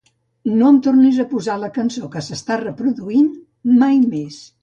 No em tornis a posar la cançó que s'està reproduint mai més.